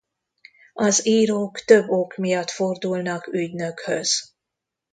Az írók több ok miatt fordulnak ügynökhöz.